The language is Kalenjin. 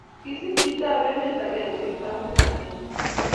Kiser chitab emet agenge kitabut agenge.